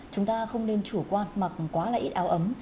chúng ta không nên chủ quan mặc quá là ít áo ấm